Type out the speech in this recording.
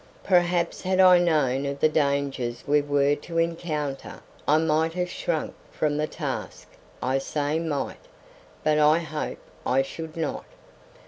Perhaps had I known of the dangers we were to encounter I might have shrunk from the task I say might, but I hope I should not.